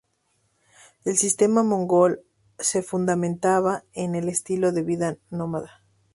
El sistema mongol se fundamentaba en el estilo de vida nómada.